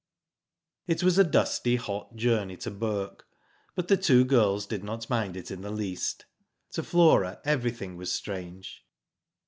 It was a dusty, hot journey to Bourke, but the two girls did not mind it in the least. To Flora everything was strange.